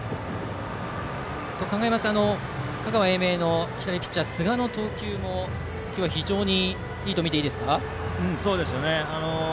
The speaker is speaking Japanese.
そう考えますと香川・英明の左ピッチャー、寿賀の投球も今日は非常にいいと見ていいですか。